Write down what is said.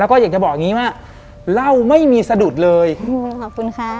แล้วก็อยากจะบอกอย่างงี้ว่าเหล้าไม่มีสะดุดเลยขอบคุณค่ะ